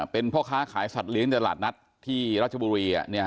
เป็นพ่อค้าขายสัตว์เลี้ยงตลาดนัดที่รัชบุรี